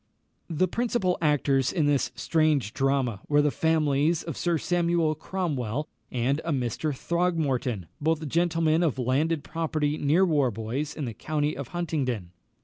The principal actors in this strange drama were the families of Sir Samuel Cromwell and a Mr. Throgmorton, both gentlemen of landed property near Warbois in the county of Huntingdon.